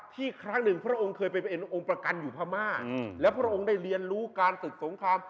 ครั้งหนึ่งพระองค์เคยเป็นองค์ประกันอยู่พม่าแล้วพระองค์ได้เรียนรู้การศึกสงคราม